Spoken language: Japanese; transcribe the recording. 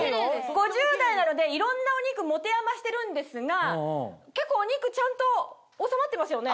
５０代なのでいろんなお肉持て余してるんですが結構お肉ちゃんと収まってますよね？